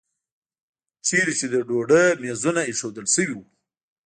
چېرته چې د ډوډۍ میزونه ایښودل شوي وو.